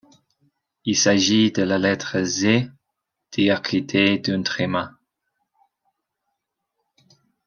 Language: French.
Il s’agit de la lettre Z diacritée d’un tréma.